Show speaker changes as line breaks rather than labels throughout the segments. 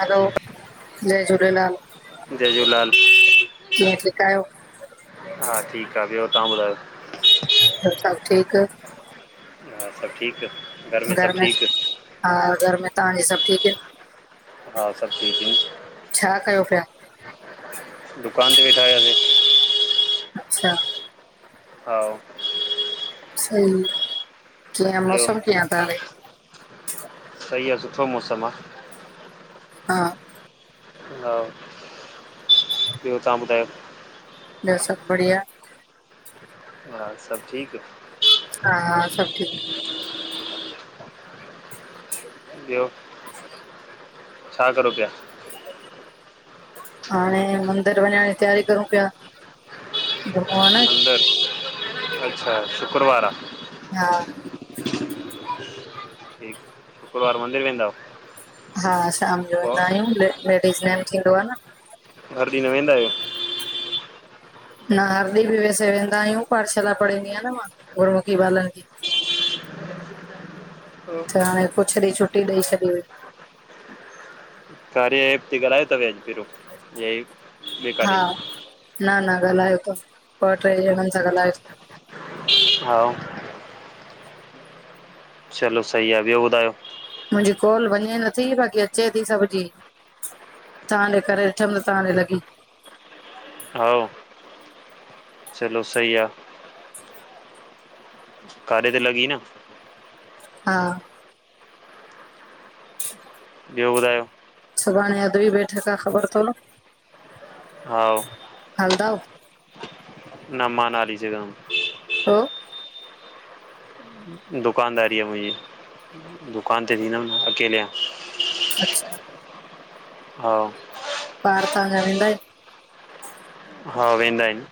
हलो, जय झूलेलाल
जय झूलेलाल
कीअं, ठीक आयो?
का [unintelligible] यो तव्ह ॿुधायो
हा सभु ठीकु आ।
हा सभु ठीकु, घर में सभु ठीकु?
हा घर में तव्हांजे सभु ठीकु आहिन।
हा सभु ठीक हैं,
छा कयो पिया
दुकान ते वेठा हुयासीं।
अच्छा
हा
सही आ
ॿियो, सही आ, सुठो मौसमु आ।
हा
हा, ॿियो तहां ॿुधायो?
ॿियो सभ बढ़िया।
हा सभु ठीक
हा हा सभु ठीक।
ॿियो, छा करो पिया?
हाणे मंदिर वञण जी तैयारी करूं पिया‌। हो आ न
मंदरु अच्छा शुक्रवार आ।
हा।
ठीक, शुक्रवार मंदिर वेंदा आहियो?
हा शाम जो वेंदा
पोइ
आहियूं लेडीज़ नेम थींदो आ न।
हर ॾींह न वेंदा आहियो?
न हर ॾींह बि वैसे वेंदा आहियूं पाठशाला पढ़ाईंदी आहियां न मां, गुरुमुखी ॿालनि जी। त हाणे कुछ ॾींहुं छुटी ॾेई छॾी हुई।
काॾे बी ॻालायो तव एॾो य ॿिए
हा, न न ॻाल्हायो तस, ॿ ट्रै ॼणनि सां ॻाल्हायो
हाउ चलो सही आ ॿियो ॿुधायो?
मुंहिंजी कोल वञे नथी बाक़ी अचे थी सभ जी। तव्हां ॾे करे ॾिठम त तव्हां ॾे लॻी।
हाउ चलो सही आ। काॾे त लॻी न?
हा।
ॿियो ॿुधायो?
सुभाणे अदबी बैठक आ ख़बर तव न?
हा।
हलदव?
न मां न हली सिगा थो।
जो?
दुकानदारी आ मुंहिंजी, दुकान ते वेहिदम न अकेले आं।
अच्छा।
हा।
ॿार तव्हांजा वेंदा ईन?
हा वेंदा आहिनि।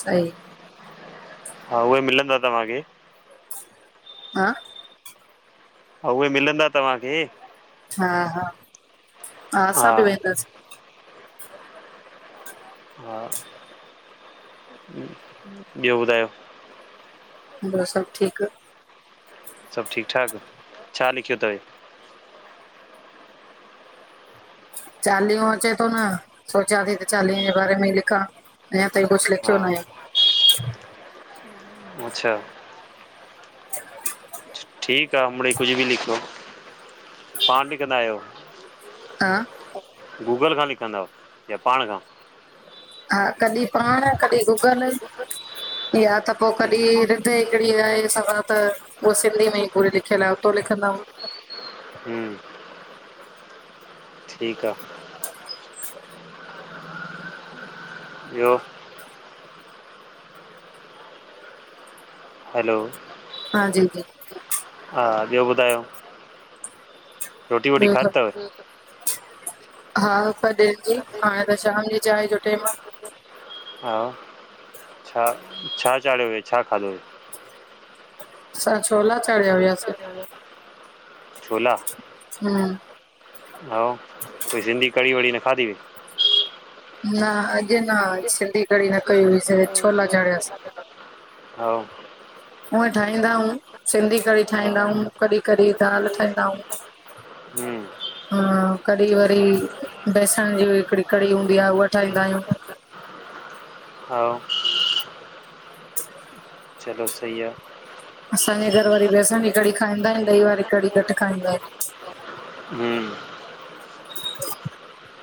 सही।
हा उहे ही मिलंदा तव्हांखे।
हां
हा उहे ही मिलंदा तव्हांखे।
हा हा, हा असां बि वेंदासीं।
हा ह ॿियो ॿुधायो?
ॿियो सभु ठीकु।
सभु ठीकु ठाक, छा लिखियो तवे?
चालीहो अचे थो न, सोचां थी त चालीहे जे बारे में ई लिखां। अञा ताईं कुछ
हा
लिखयो नाये।
अच्छा
[inaudible]
ठीक आ मिढ़ई कुछ बि लिखो। पाण बि कंदा आहियो।
हा,
[unintelligible] ऐ गूगल खां लिखंदव या पाण खां।
हा कॾि पाण कॾि गूगल। या त पो कॾि रिध हिकड़ी आहे सवां त। उअ सिंधीअ में ई पूरी लिखियल आ, उतो लिखंदायूं।
हम ठीक आ। ॿियो। हैलो
हां जी -जी।
हा ॿियो ॿुधायो रोटी- वोटी
ॿियो
खाध
त
तव।
हा पॾे थी, हाणे त शाम जी चाइ जो टेम आ।
हा छा, छा चाढ़ियो हुय छा खाधो हुय।
असां छोला चाढ़िया हुयासे।
[unintelligible] छोला
हम।
हाओ, कोई सिंधी कढ़ी वढ़ी न खाधी तई।
न अॼु न सिंधी कढ़ी न कयी हुयिसे।
[unintelligible] हाओ
हूंअ ठाहींदा ऊं सिंधी कढ़ी
हा
ठाहींदा हूं। कॾि कॾि दाल ठाहींदा ऊं।
हम्म
हा कॾि वरी बेसण जी हिकड़ी कड़ी हूंदी आ।
[unintelligible] हाओ चलो सई आ।
असांजे घर वरी बेसण जी कढ़ी खाईंदा इन ॾही वारी कढ़ी घटि खाईंदा इन।
हम।
[unintelligible]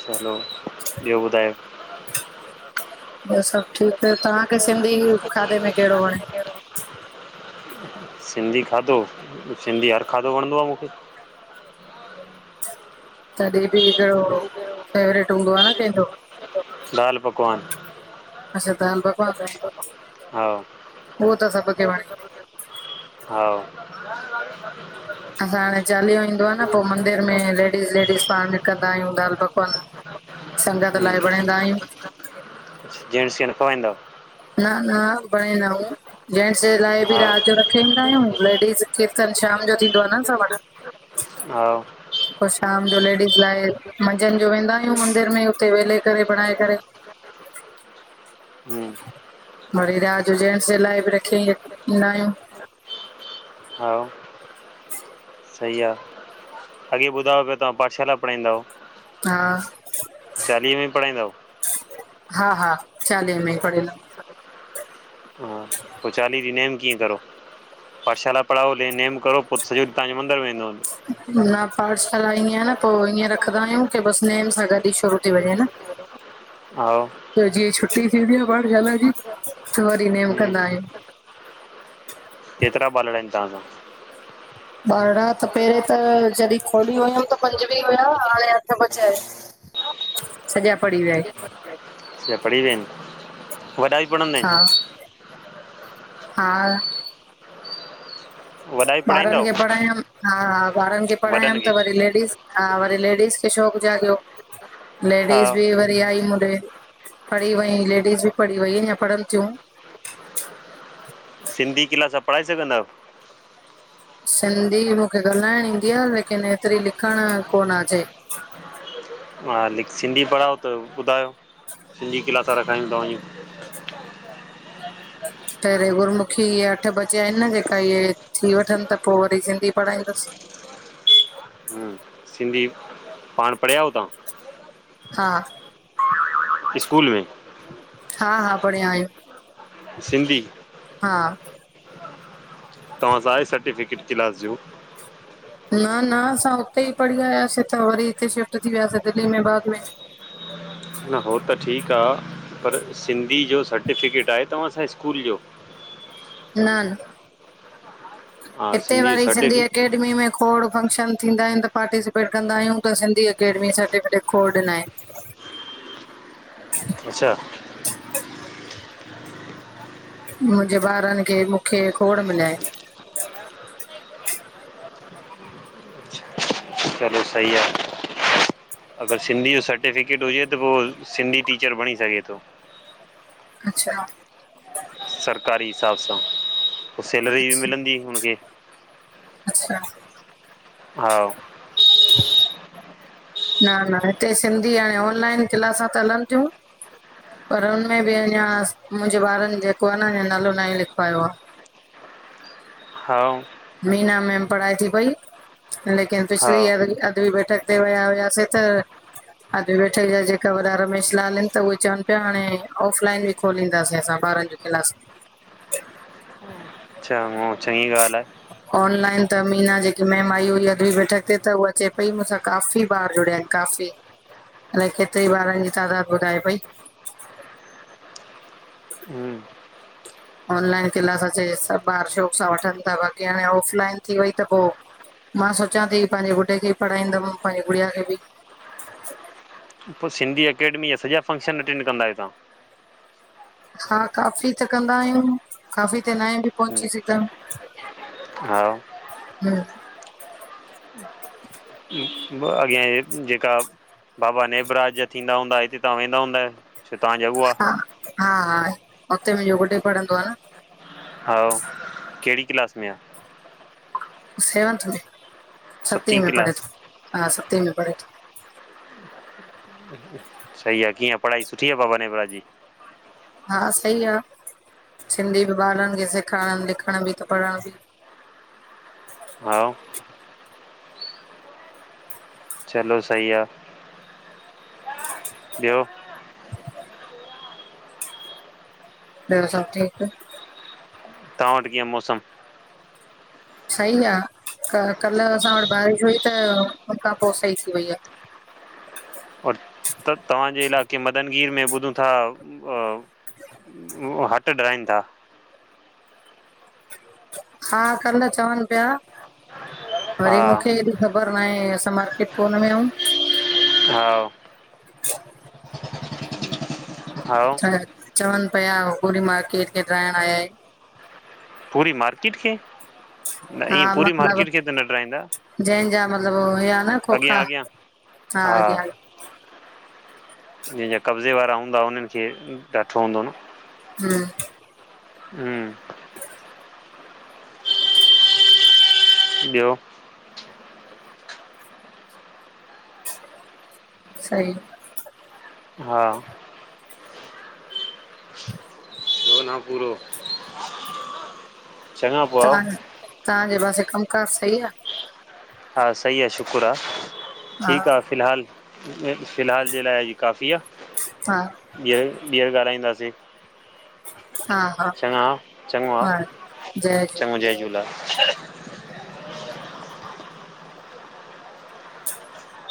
चलो ॿियो ॿुधायो।
ॿियो सब ठीकु आ, तहांखे सिंधी खाधे में केड़ो वणे।
सिंधी खाधो सिंधी हर खाधो वणंदो आ मुखे।
तॾि बि केड़ों फेवरेट हूंदो आ न केंजो।
दाल पकवान।
असां दाल पकवान खाईंदा
[unintelligible] हाओ
उहो त सभु खे वणे
[unintelligible] हाआओ।
असां हाणे चालीहो ईंदो आ न पो मंदिर में लेडीज़ -लेडीज़ पाण में कंदा आहियूं दाल पक कोन
हम जेंस के न खईंदव।
न -न पऐ न हूं जेन्स जे लाइ बि
हा
रात जो र केंदा आहियूं लेडीज़ कीर्तन शाम जो थींदो आ न असां वटि।
हाओ।
पो शाम जो लेडीज लाइ मंझंन जो वेंदा आहियूं मंदिर में हुते वेले करे बणाए करे।
हम।
वरी रियात जो जेनट्स जे लाइ बि रखी ईंदा आहियूं।
हा। सही आह, अॻे ॿुधायो पियो तव्हां पाठशाला पणाईंद।
हा।
में पढ़ाईंदा आयो
हा, हा चालीहे में पणियल आ।
हा। पोइ चालीहीं नेम कीअं करो, पाठशाला पढ़ाओ ले नेम करो पोइ सॼो ॾींहु तहां यो मंदिर में वेंदो हुन्दो।
न पाठशाला इयं न पोइ ईअं रखंदा आहियूं की बस नेम सां गॾु ई शुरू थी वञे न।
हा हूं
[inaudible] त जीअं छुटी थींदी आह पाठशाला जी, त वरी नेम कंदा आहियूं।
केतिरा बालणा आहिनि तव्हां जा?
बालणा त पहिरीं त जॾहिं खोली हुयमि त पंज [unintelligible] हाणे अठ बचा आहिन, सॼा पढ़ी विया
अच्छा पणी वयां आहिन। वॾा भी पणन्दा आहिन।
हा, हा ॿारन
आयो
खे पढ़ायम हा हा ॿारन खे पढ़ायम
वॾनि खे
त वरी लेडीस हा वरी लेडीस खे शोक़ जाॻियो
हा
लेडीस बि वरी आई मुडे पढ़ी वई लेडीस बि पढ़ी वइ इय पढ़न थियूं।
सिंधी क्लास पढ़ाए सघंदा आयो?
सिंधी मूखे ॻाल्हाइण ईंदी आह, लेकिन एतिरी लिखण कोन अचे।
हा लिख सिंधी पढ़ाओ त ॿुधायो सिंधी क्लासा रखायूं तव्हांयू।
प रे गुरमुखी इय अठे बजे आहेन न जेका हे थी वठन त पोइ वरी सिंधी पढ़ाईंदस।
हम्म, सिंधी पाण पढ़याओ तां?
हा।
स्कूल में
हा हा पढ़िया आयूं।
सिंधी
हा।
तव्हांसा आहे सर्टिफिकेट क्लास जो?
न, न असां हुते ई पढ़ी आयासीं त वरी हिते शिफ्ट थी वियासीं दिल्ली में बाद में
न हो त ठीक आह, पर सिंधी जो सर्टिफिकेट आहे तव्हांसां स्कूल जो।
न, न
हा
हिते
जो
वरी सिंधी
सर्टिफिकेट
अकेडमी में खोड़ फंक्शन थींदा आहिनि त पार्टिसिपेट कंदा आहियूं त सिंधी अकेडमी सर्टिफिकेट खोड़ ॾिना आहिन।
अच्छा।
मुंहिंजे ॿारन खे मुखे खोड़ मिल्या आहिंन।
हलो सही आह। अगर सिंधी जो सर्टिफिकेट हुजे त हू सिंधी टीचर बणी सघे थो।
अच्छा।
सरकारी हिसाब सां पोइ सैलरी बि
अच्छा
मिलंदी हुन खे।
अच्छा।
हा।
न न हिते सिंधी हाणे ऑनलाइन क्लासां त हलनि थयूं। पर हुनमें बि अञा मुंहिंजे ॿारनि जेको आह न अञा नालो न ई लिख वायो आह।
हा।
मीना मैम पढ़ाई थी पई लेकिन
हा
पिछली अ अगली बैठक हुते विया वयासीं त अॼु वेठे जा ॼेका वॾा रमेश लाल आहिनि, त उवे चवनि पिया हाणे ऑफ़ लाइन बि खोलींदासीं असां ॿारनि जूं क्लासू।
अच्छा हुअ चङी गाल्हि आहे।
ऑनलाइन त मीना ॼेकी मेम आई हुई अॼु ही बैठक ते त उहा चए पई मूंसां काफ़ी ॿार जुड़या आहिनि। काफ़ी अलाए केतिरी ॿारन जी तादादु ॿुधाए पई।
हूँ
ऑनलाइन क्लास अचे सभु ॿार शौक़ सां वठनि ता, बाक़ी हाणे ऑफलाइन थी वई त पो मां सोचां ती पंहिंजे गुड्डे खे पढ़ाईंदमि पंहिंजी गुड़िया खे बि।
पो सिंधी अकेडमी जा सॼा फंक्शन अटेंड कंद आहियो तां।
हा काफ़ी त कंदा आहियूं, काफ़ी त नहे बि पहुची
तव्हां
सघदा।
हा
हू
व अॻियांय ॼेका बाबा नेब राज जा थींदा हूंदा हिते तां वेंदा हूंदए जिते तां जा हुआ।
हा हा हुते मुंहिंजो गुड्डे पढ़ंदो आ न।
हव कहिड़ी क्लास में आ।
सेवंथ में सती
सतीं
में पढ़े थो, हा सते में पढे थो।
[inaudible] सई आ कीअं पढ़ाई सुठी आ बाबा नेब राज जी?
हा सई आ, सिंधी बि ॿारनि खे सेखारणु लिखणु बि त पढ़णु बि।
हाओ चलो सही आ। ॿियो?
ॿियो सभु ठीकु।
तां वटि कीअं मौसम?
सई आ क कल्हि असां वटि बारिश हुई त, हुन खां पो सई थी वई आ।
और त तव्हांजे इलाक़े मदनगीर में ॿुधूं था। वो हट डहिनि था।
हा कल्हि चवनि पीया,
हा
वरी मूंखे ख़बर नाहे असां मार्केट कोनि वया हूं।
हा
[inaudible]
हा
चवनि पिया पूरी मार्केट खे ॾाहण आया आहिनि।
पूरी मार्किट खे? न
हा
ईअ पूरी
मतिलबु
मार्किट खे त न ॾहिंदा,
जंहिंजा मतिलबु हुया न
अॻियां
खोखा
अॻियां
हा अॻियां।
जे जा कब्ज़े वारा हूंदा हननि खे, ॾाठो हूंदो न।
हूं
हूं ॿियो?
सही
हा गुना पूरो चङा पो आयो
तव्हां तव्हांजे पासे कमुकारु सही आ।
हा सही आ शुक्र आ,
हा
ठीकु आ फ़िलहाल फ़िलहाल जे लाइ ही काफ़ी आ,
हा
ॿीहर ॻाल्हाईंदासे।
हा। हा
चङाउ, चङो आ,
हा जय झूले
चङो जय झूलेलाल।
[inaudible]